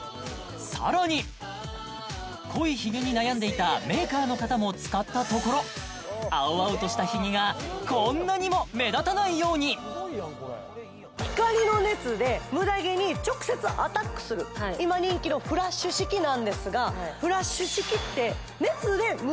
さらに濃いひげに悩んでいたメーカーの方も使ったところ青々としたひげがこんなにも目立たないように光の熱でムダ毛に直接アタックする今人気のフラッシュ式なんですがフラッシュ式って熱でムダ毛にアタックするので